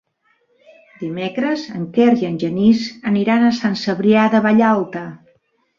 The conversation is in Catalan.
Dimecres en Quer i en Genís aniran a Sant Cebrià de Vallalta.